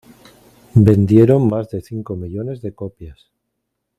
Vendieron más de cinco millones de copias.